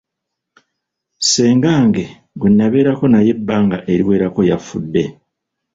Ssengange gwe nabeerako naye ebbanga eriwerako yafudde.